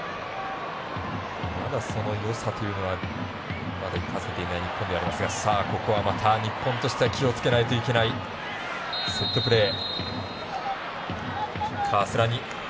ただ、そのよさというのはまだ生かせていない日本ではありますがまた日本としては気をつけなければいけないセットプレー。